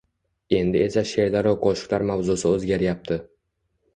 Endi esa she`rlaru qo`shiqlar mavzusi o`zgaryapti